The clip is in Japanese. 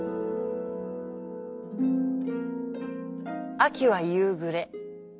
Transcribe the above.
「秋は夕暮れ。